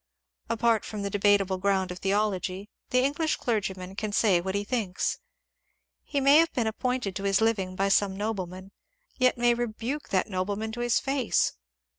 Apart from the debatable g^und of theology, the English clergyman can say what he thinks. He may have been appointed to his living by some nobleman, yet may rebuke that nobleman to his face.